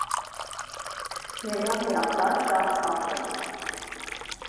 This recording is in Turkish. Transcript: Birdenbire atlar şaha kalktı…